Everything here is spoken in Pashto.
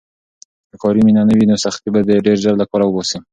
که کاري مینه نه وي، نو سختۍ به دې ډېر ژر له کاره وباسي.